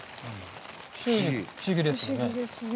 不思議ですね。